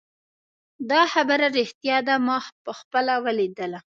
دا خبره ریښتیا ده ما پخپله ولیدله